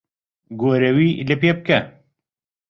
گۆرەوی لەپێ بکە.